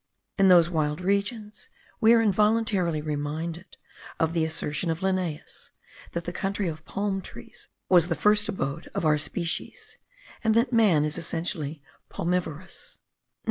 In those wild regions we are involuntarily reminded of the assertion of Linnaeus, that the country of palm trees was the first abode of our species, and that man is essentially palmivorous.